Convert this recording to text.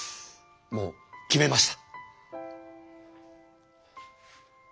もう決めました。